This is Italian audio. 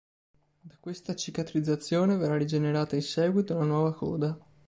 Da questa cicatrizzazione verrà rigenerata in seguito una nuova coda.